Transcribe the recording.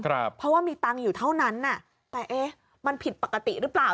เพราะว่ามีตังค์อยู่เท่านั้นอ่ะแต่เอ๊ะมันผิดปกติหรือเปล่า